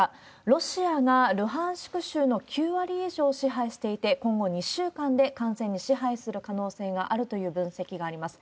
ロシアがルハンシク州の９割以上を支配していて、今後、２週間で完全に支配する可能性があるという分析があります。